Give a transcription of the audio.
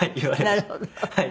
なるほど。